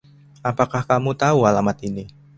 Apakah kamu tahu alamat ini...?